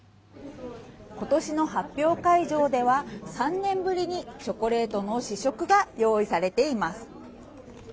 今年の発表会場では３年ぶりにチョコレートの試食が用意されています。